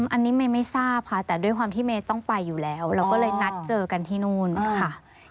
อันนี้เมย์ไม่ทราบค่ะแต่ด้วยความที่เมย์ต้องไปอยู่แล้วเราก็เลยนัดเจอกันที่นู่นค่ะ